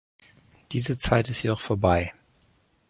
Diese Zeit ist jedoch vorbei.